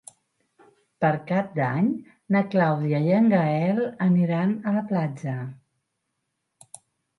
Per Cap d'Any na Clàudia i en Gaël aniran a la platja.